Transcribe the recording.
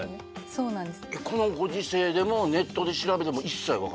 そうなんです